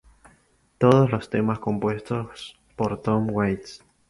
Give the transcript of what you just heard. Todos los temas compuestos por Tom Waits.